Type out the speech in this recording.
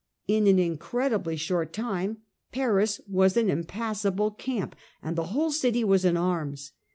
In an incredibly short time Paris was an impassable camp, and the whole city was in arms.